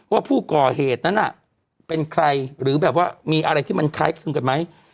ว่าผู้ก่อเหตุนั้นเป็นใครหรือแบบว่ามีอะไรที่มันคล้ายคลึงกันไหม